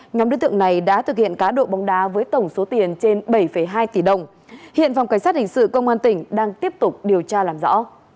nhóm đối tượng này đã thực hiện cá độ bóng đá với tổng số tiền trên bảy hai tỷ đồng hiện phòng cảnh sát hình sự công an tỉnh đang tiếp tục điều tra làm rõ